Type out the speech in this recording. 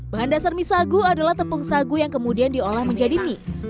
bahan dasar mie sagu adalah tepung sagu yang kemudian diolah menjadi mie